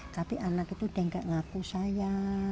tapi anak itu tidak mengaku saya